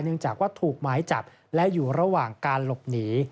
จากว่าถูกหมายจับและอยู่ระหว่างการหลบหนี